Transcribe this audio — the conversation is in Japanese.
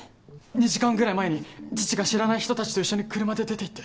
２時間ぐらい前に父が知らない人たちと一緒に車で出ていって。